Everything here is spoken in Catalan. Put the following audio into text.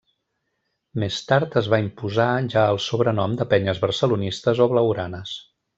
Més tard, es va imposar ja el sobrenom de penyes barcelonistes o blaugranes.